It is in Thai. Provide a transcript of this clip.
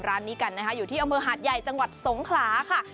ร้านนี้กันนะคะอยู่ที่อำเภอหาดใหญ่จังหวัดสงขลาค่ะ